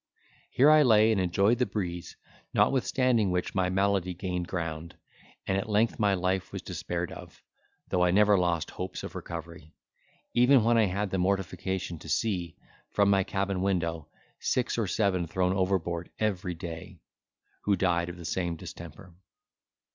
Here I lay and enjoyed the breeze, notwithstanding which my malady gained ground, and at length my life was despaired of, though I never lost hopes of recovery, even when I had the mortification to see, from my cabin window, six or seven thrown overboard every day, who died of the same distemper.